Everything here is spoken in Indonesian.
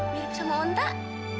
mirip sama ontak